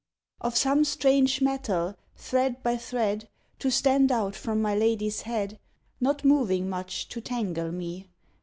_ Of some strange metal, thread by thread, To stand out from my lady's head, Not moving much to tangle me.